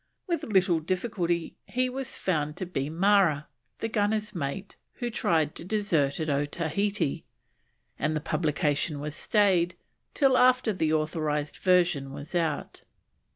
With little difficulty he was found to be Marra, the gunner's mate who tried to desert at Otaheite, and the publication was stayed till after the authorised version was out.